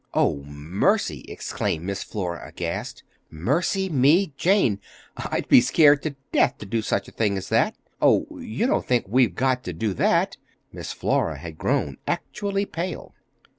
"Oh, mercy!" exclaimed Miss Flora, aghast. "Mercy me, Jane! I'd be scared to death to do such a thing as that. Oh, you don't think we've got to do that?" Miss Flora had grown actually pale.